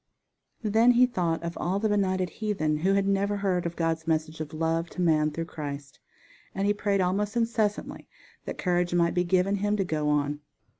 Then he thought of all the benighted heathen who had never heard of God's message of love to man through Christ, and he prayed almost incessantly that courage might be given him to go on.